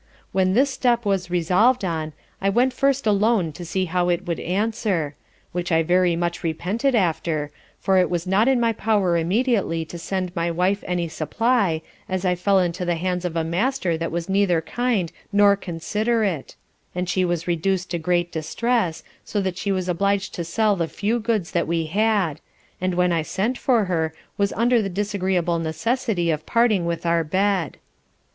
When this step was resolv'd on, I went first alone to see how it would answer; which I very much repented after, for it was not in my power immediately to send my wife any supply, as I fell into the hands of a Master that was neither kind nor considerate; and she was reduced to great distress, so that she was oblig'd to sell the few goods that we had, and when I sent for her was under the disagreeable necessity of parting with our bed.